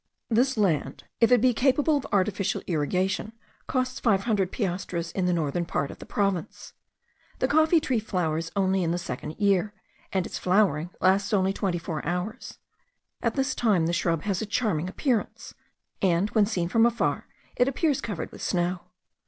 This land, if it be capable of artificial irrigation, costs five hundred piastres in the northern part of the province. The coffee tree flowers only in the second year, and its flowering lasts only twenty four hours. At this time the shrub has a charming appearance; and, when seen from afar, it appears covered with snow.